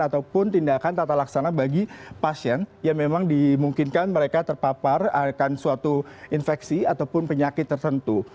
ataupun tindakan tata laksana bagi pasien yang memang dimungkinkan mereka terpapar akan suatu infeksi ataupun penyakit tertentu